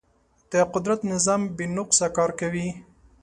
د قدرت نظام بې نقصه کار کوي.